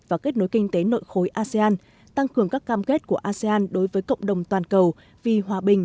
và kết nối kinh tế nội khối asean tăng cường các cam kết của asean đối với cộng đồng toàn cầu vì hòa bình